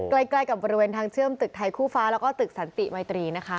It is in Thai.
ใกล้กับบริเวณทางเชื่อมตึกไทยคู่ฟ้าแล้วก็ตึกสันติมัยตรีนะคะ